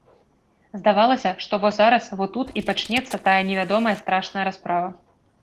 Здавалася, што во зараз, во тут і пачнецца тая невядомая страшная расправа.